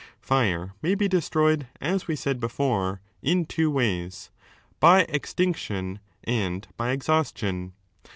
Fire may I be destroyed, as we said before, in two ways : by extinc I tion and by exhaustion.